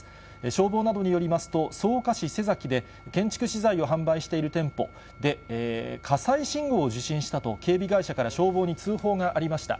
消防などによりますと、草加市瀬崎で、建築資材を販売している店舗で、火災信号を受信したと、警備会社から消防に通報がありました。